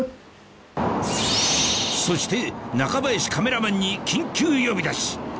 そして中林カメラマンに緊急呼び出し！